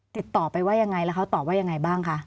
ติดต่อไปว่ายังไงแล้วเขาตอบว่ายังไงบ้างคะ